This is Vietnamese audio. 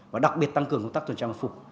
và đặc biệt tăng cường công tác tuần trang phục